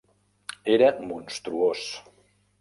Era monstruós.